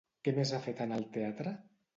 Què més ha fet en el teatre?